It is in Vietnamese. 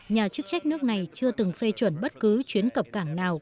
nhà chức trách nước này chưa từng phê chuẩn bất cứ chuyến cập cảng nào